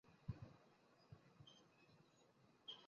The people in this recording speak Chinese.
规划相关宣传活动